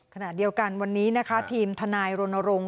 ขณะเดียวกันวันนี้นะคะทีมทนายรณรงค์